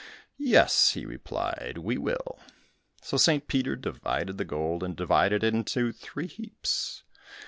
"Yes," he replied, "we will." So St. Peter divided the gold, and divided it into three heaps.